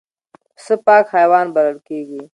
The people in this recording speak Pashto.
پسه پاک حیوان بلل کېږي.